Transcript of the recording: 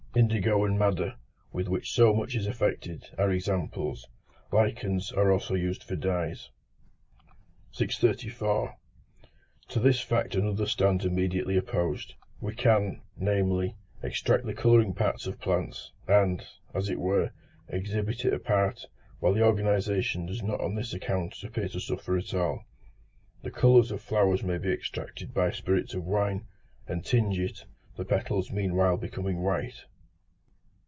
Indigo and madder, with which so much is effected, are examples: lichens are also used for dyes. 634. To this fact another stands immediately opposed; we can, namely, extract the colouring part of plants, and, as it were, exhibit it apart, while the organisation does not on this account appear to suffer at all. The colours of flowers may be extracted by spirits of wine, and tinge it; the petals meanwhile becoming white.